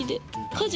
家事。